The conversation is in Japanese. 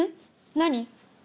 何？